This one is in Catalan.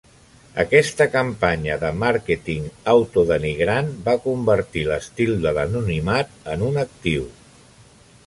Aquesta campanya de màrqueting autodenigrant va convertir l'estil de l'anonimat en un actiu.